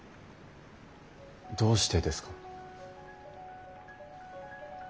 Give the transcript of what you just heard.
どうしてですか？